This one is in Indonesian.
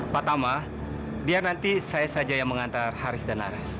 pak tama biar nanti saya saja yang mengantar haris dan aris